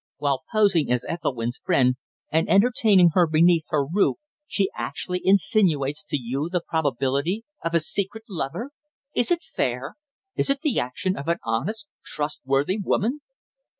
While posing as Ethelwynn's friend, and entertaining her beneath her roof, she actually insinuates to you the probability of a secret lover! Is it fair? Is it the action of an honest, trustworthy woman?"